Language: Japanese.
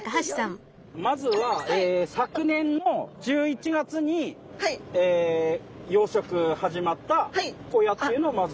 まずは昨年の１１月に養殖始まったホヤというのをまず。